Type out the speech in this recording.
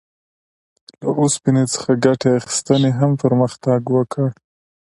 له اوسپنې څخه ګټې اخیستنې هم پرمختګ وکړ.